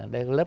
đây là lớp